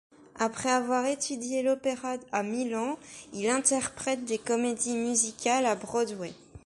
Après avoir étudié l'opéra à Milan, il interprète des comédies musicales à Broadway.